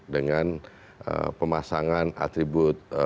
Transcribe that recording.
dengan pemasangan atribut partai jawa tengah